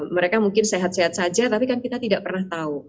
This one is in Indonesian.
mereka mungkin sehat sehat saja tapi kan kita tidak pernah tahu